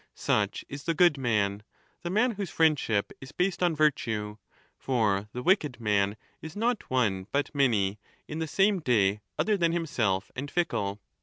^ Such is the good man, the man whose friendship is based on virtue, for the wicked man is not one but many, in the same day other than himself and fickle.